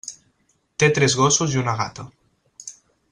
Té tres gossos i una gata.